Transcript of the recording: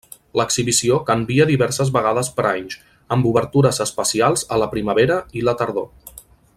L'exhibició canvia diverses vegades per anys, amb obertures especials a la primavera i la tardor.